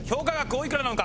おいくらなのか？